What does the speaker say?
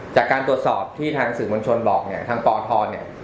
จากการตรวจสอบที่ทางสื่อมวลชนบอกเนี่ยทางปทเนี่ย